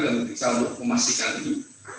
kami periksa untuk memastikan ini